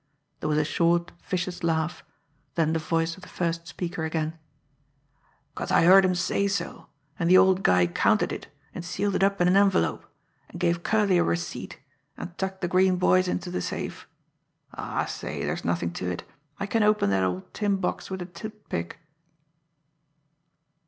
There was a short, vicious laugh; then the voice of the first speaker again: "'Cause I heard him say so, an' de old guy counted it, an' sealed it up in an envelope, an' gave Curley a receipt, an' tucked de green boys into de safe. Aw, say, dere's nothin' to it, I can open dat old tin box wid a toothpick!"